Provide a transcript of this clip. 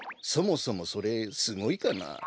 そもそもそれすごいかな？